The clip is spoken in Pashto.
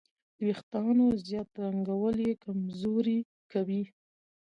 د وېښتیانو زیات رنګول یې کمزوري کوي.